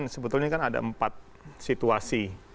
sebetulnya kan ada empat situasi